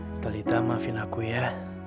nontalita maafin aku ya